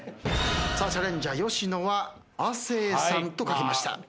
チャレンジャー吉野は「亜生さん」と書きました。